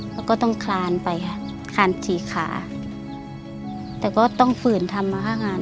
แล้วก็ต้องคลานไปค่ะคลานฉี่ขาแต่ก็ต้องฝืนทำมาห้างาน